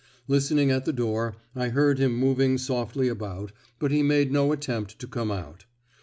Listening at the door, I heard him moving softly about, but he made no attempt to come out.